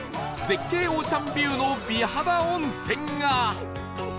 絶景オーシャンビューの美肌温泉が